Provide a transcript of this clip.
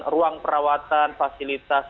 ruang perawatan fasilitas